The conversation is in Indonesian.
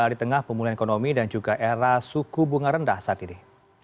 di tengah pemulihan ekonomi dan juga era suku bunga rendah saat ini